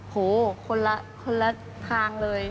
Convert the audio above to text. โหคนละทางเลย